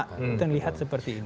kita lihat seperti ini